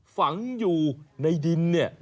ฝังอยู่ในดินเนี่ย